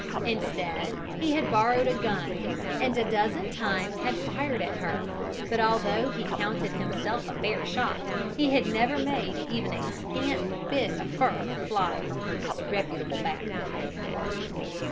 Instead, he had borrowed a gun, and a dozen times had fired at her; but although he counted himself a fair shot, he had never made even a scant bit of fur fly from her disreputable back.